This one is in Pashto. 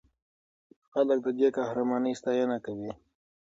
خلک د دې قهرمانۍ ستاینه کوي.